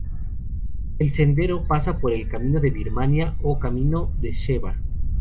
El sendero pasa por el "camino de Birmania", o "camino de Sheva".